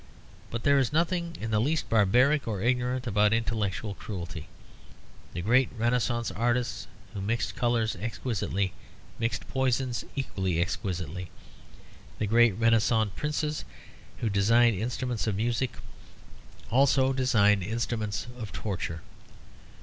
But there is nothing in the least barbaric or ignorant about intellectual cruelty. The great Renaissance artists who mixed colours exquisitely mixed poisons equally exquisitely; the great Renaissance princes who designed instruments of music also designed instruments of torture.